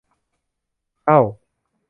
เอ๊า